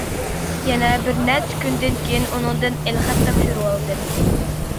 يەنە بىر نەچچە كۈندىن كېيىن ئۇنىڭدىن ئېلخەت تاپشۇرۇۋالدىم.